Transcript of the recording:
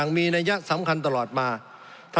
สงบจนจะตายหมดแล้วครับ